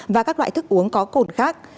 và các loại thức uống có cồn khác